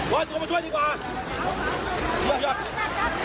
ตัวมาช่วยดีกว่าหยุด